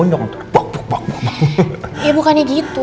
ya bukannya gitu